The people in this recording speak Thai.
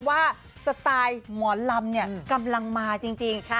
ว่าสไตล์หมอลำเนี่ยกำลังมาจริงจริงค่ะ